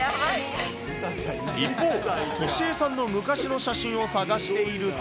一方、敏江さんの昔の写真を探していると。